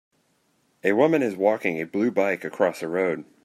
A woman is walking a blue bike across a road.